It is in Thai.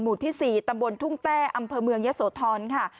ที่๔ตำบลทุ่งแต้อำเภอเมืองยะโสธรค่ะ